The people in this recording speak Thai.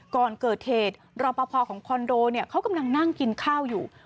ก่อนเกิดเหตุรอปภของคอนโดเนี่ยเขากำลังนั่งกินข้าวอยู่